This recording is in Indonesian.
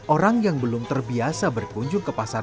orang yang belum terbiasa berkunjung ke pasar